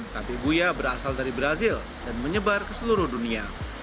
tapi buya berasal dari brazil dan menyebar ke seluruh dunia